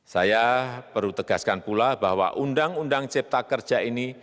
saya perlu tegaskan pula bahwa undang undang cipta kerja ini